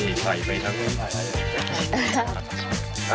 นี่ใส่ไปทั้งหมด